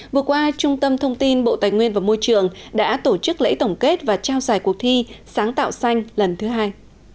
vừa qua trung tâm thông tin bộ tài nguyên và môi trường đã tổ chức lễ tổng kết và trao giải cuộc thi sáng tạo xanh lần thứ hai